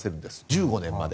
１５年まで。